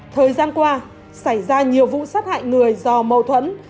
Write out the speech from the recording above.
thời gian qua xảy ra nhiều vụ sát hại người do mâu thuẫn